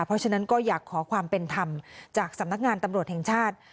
เพราะฉะนั้นก็อยากขอความเป็นธรรมจากสำนักงานตำรวจแห่งชาติ